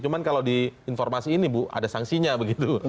cuma kalau di informasi ini bu ada sanksinya begitu